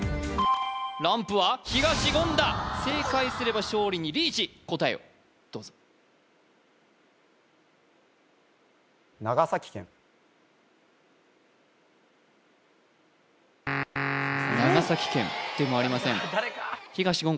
ランプは東言だ正解すれば勝利にリーチ答えをどうぞ長崎県でもありません東言